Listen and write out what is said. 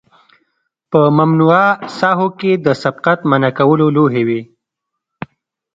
په ممنوعه ساحو کې د سبقت منع کولو لوحې وي